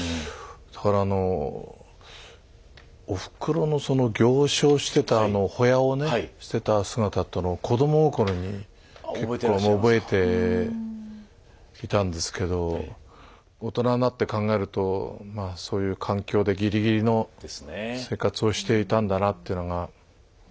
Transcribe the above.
だからあのおふくろのその行商してたあのホヤをねしてた姿っていうのは子ども心に結構覚えていたんですけど大人になって考えるとそういう環境でギリギリの生活をしていたんだなってのが。